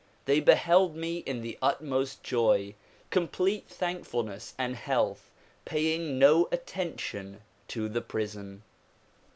They beheld me in the utmost joy, complete thankfulness and health, paying no attention to the prison.